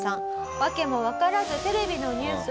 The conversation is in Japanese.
訳もわからずテレビのニュースを見ました。